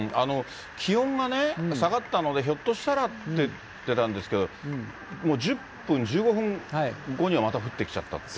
気温がね、下がったので、ひょっとしたらって言ってたんですけど、もう１０分、１５分後にはまた降ってきちゃったっていう。